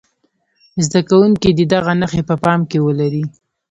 زده کوونکي دې دغه نښې په پام کې ولري.